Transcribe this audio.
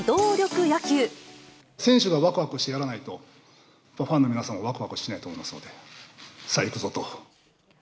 選手がわくわくしてやらないと、ファンの皆さんがわくわくしないと思いますので、さあ、行くぞと。